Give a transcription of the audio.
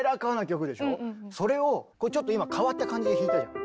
それをこれちょっと今変わった感じで弾いたじゃん。